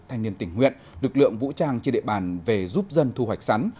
thanh niên tỉnh huyện lực lượng vũ trang trên địa bàn về giúp dân thu hoạch sắn